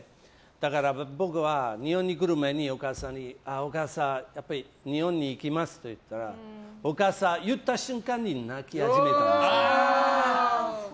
だから、僕は日本に来る前にお母さんにお母さん、日本に行きますと言ったらお母さんは言った瞬間に泣き始めたんですね。